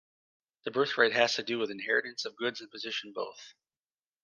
The birthright has to do with inheritance of goods and position both.